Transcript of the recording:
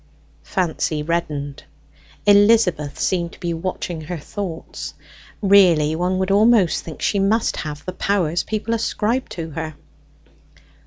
Fancy reddened. Elizabeth seemed to be watching her thoughts. Really, one would almost think she must have the powers people ascribed to her.